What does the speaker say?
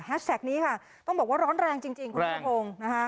แฮชแท็กนี้ค่ะต้องบอกว่าร้อนแรงจริง